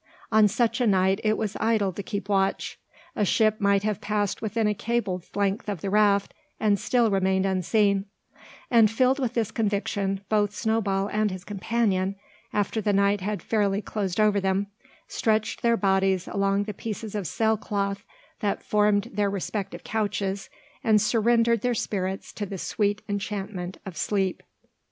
On such a night it was idle to keep watch. A ship might have passed within a cable's length of the raft, and still remained unseen; and, filled with this conviction, both Snowball and his companion, after the night had fairly closed over them, stretched their bodies along the pieces of sail cloth that formed their respective couches, and surrendered their spirits to the sweet enchantment of sleep.